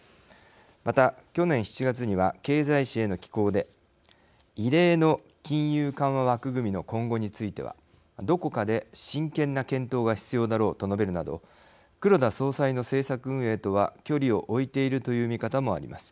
また、去年７月には経済紙への寄稿で異例の金融緩和枠組みの今後についてはどこかで真剣な検討が必要だろうと述べるなど黒田総裁の政策運営とは距離を置いているという見方もあります。